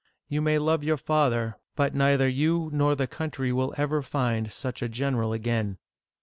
You may love your father, but neither you nor the country will ever find such a general again